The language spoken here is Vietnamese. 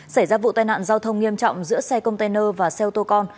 xảy ra vụ tai nạn giao thông nghiêm trọng giữa xe container và xe ô tô con